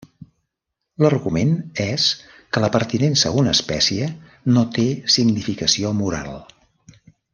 L'argument és que la pertinença a una espècie no té significació moral.